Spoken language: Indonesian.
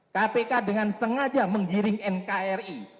kpk dengan sengaja menggiring nkri